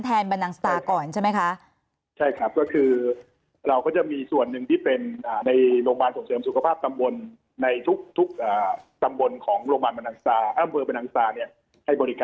ให้บริการอยู่แล้วนะครับ